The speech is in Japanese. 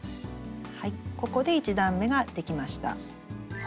ここで１段めができました。